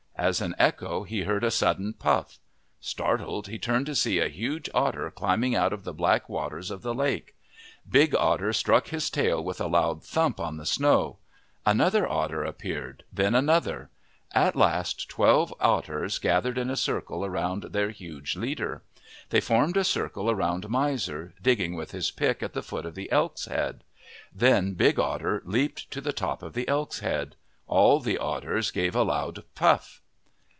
As an echo he heard a sudden pufF. Startled, he turned to see a huge otter climbing out of the black waters of the lake. Big Otter struck his tail with a loud thump on the snow. Another otter appeared, then another. At last twelve 75 MYTHS AND LEGENDS otters gathered in a circle around their huge leader. They formed a circle around Miser, digging with his pick at the foot of the elk's head. Then Big Otter leaped to the top of the elk's head. All the otters gave a loud puff.